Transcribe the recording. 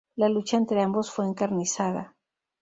La lucha entre ambos fue encarnizada.